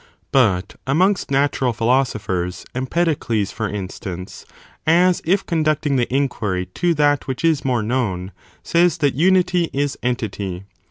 But amongst natural philosophers, Empedocles, for instance, as if con ducting the inquiry to that which is more known, says that unity is entity.